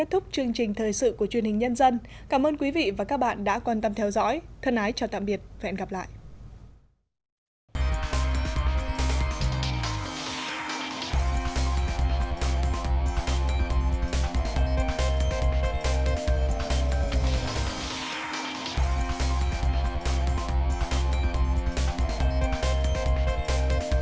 hãy đăng ký kênh để ủng hộ kênh của mình nhé